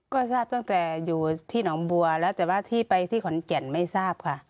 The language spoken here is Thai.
ก็ทราบตั้งแต่อยู่ที่หนองบัวแล้วแต่ว่าที่ไปที่ขอนแก่นไม่ทราบค่ะ